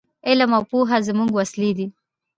علم او پوهه زموږ وسلې دي.